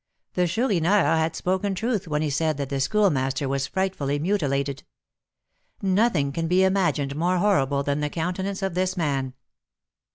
The Chourineur had spoken truth when he said that the Schoolmaster was frightfully mutilated. Nothing can be imagined more horrible than the countenance of this man.